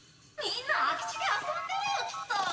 みんな空き地で遊んでるよきっと。